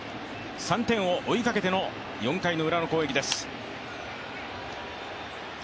３点を追いかけての４回ウラの攻撃です。